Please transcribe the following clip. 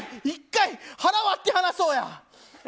１回、腹割って話そうや！